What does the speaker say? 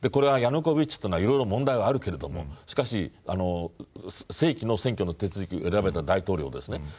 ヤヌコービッチというのはいろいろ問題はあるけれどもしかし正規の選挙の手続きで選ばれた大統領ですね。